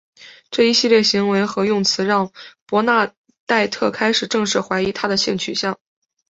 这一系列行为和用词让伯纳黛特开始正式怀疑他的性取向。